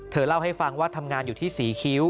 เล่าให้ฟังว่าทำงานอยู่ที่ศรีคิ้ว